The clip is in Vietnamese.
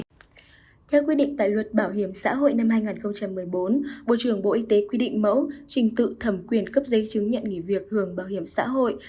theo quyết định tại luật bảo hiểm xã hội năm hai nghìn một mươi bốn bộ trưởng bộ y tế quy định mẫu trình tự thẩm quyền cấp giấy chứng nhận nghỉ việc hưởng bảo hiểm xã hội